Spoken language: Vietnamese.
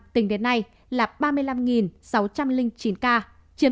tỉnh điện này